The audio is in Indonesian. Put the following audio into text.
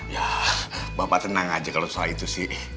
ya bapak tenang aja kalau soal itu sih